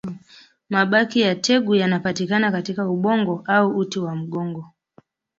Mabaki ya tegu yanapatikana katika ubongo au uti wa mgongo